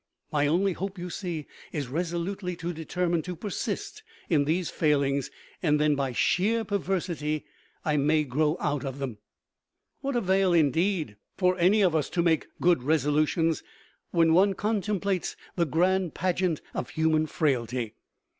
My only hope, you see, is resolutely to determine to persist in these failings. Then, by sheer perversity, I may grow out of them. What avail, indeed, for any of us to make good resolutions when one contemplates the grand pageant of human frailty?